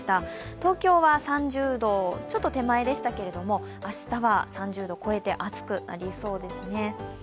東京は３０度ちょっと手前でしたけれども明日は３０度超えて暑くなりそうですね。